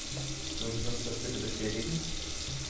Würden Sie uns das bitte bestätigen?